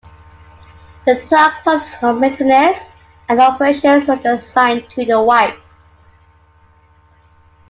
The tasks of maintenance and operations were assigned to the whites.